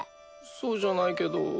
そうじゃないけど。